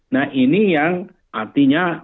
nah ini yang artinya